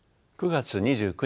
９月２９日